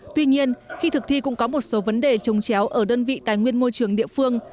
tuy nhiên khi thực thi cũng có một số vấn đề trồng chéo ở đơn vị tài nguyên môi trường địa phương